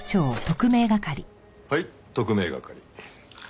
はい特命係。